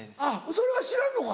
それは知らんのか？